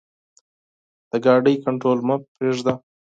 د موټر کنټرول مه پریږده.